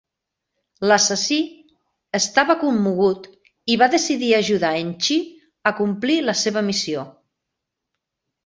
L'assassí estava commogut i va decidir ajudar en Chi a complir la seva missió.